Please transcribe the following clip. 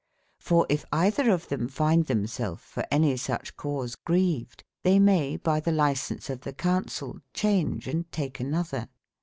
for if eitberof tbem finde tbemselfe for any sucb cause greved: tbey maye by tbe license of tbe counsel cbaunge and take anotber.